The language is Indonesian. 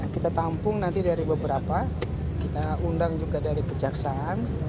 kita tampung nanti dari beberapa kita undang juga dari kejaksaan